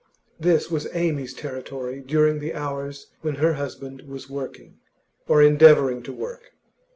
This was Amy's territory during the hours when her husband was working, or endeavouring to work.